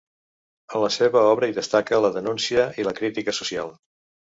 En la seva obra hi destaca la denúncia i la crítica social.